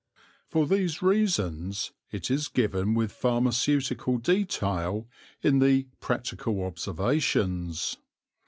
For these reasons it is given with pharmaceutical detail in the "Practical Observations."